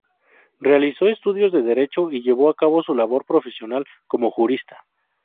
Realizó estudios de Derecho y llevó a cabo su labor profesional como jurista.